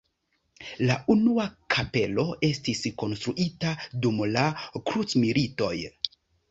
La unua kapelo estis konstruita dum la krucmilitoj.